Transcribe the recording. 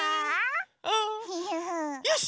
よし！